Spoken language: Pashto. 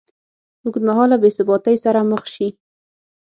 ه اوږدمهاله بېثباتۍ سره مخ شي